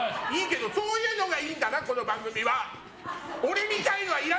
そういうのがいいんだなこの番組は。